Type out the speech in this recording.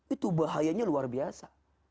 itu bahayanya luar biasa